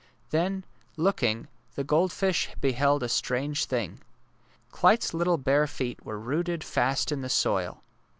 Then, looking, the goldfish beheld a strange thing. Clyte 's little bare feet were rooted fast in the soil.